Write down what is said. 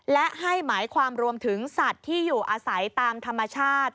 และให้หมายความรวมถึงสัตว์ที่อยู่อาศัยตามธรรมชาติ